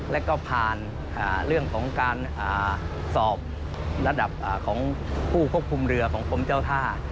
แล้วก็ผ่านเรื่องของการสอบระดับของผู้ควบคุมเรือของกรมเจ้าท่า